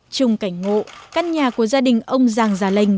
trong cảnh ngộ căn nhà của gia đình ông giàng già lênh